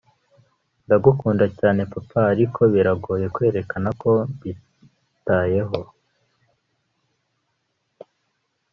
ndagukunda cyane papa ariko biragoye kwerekana ko mbitayeho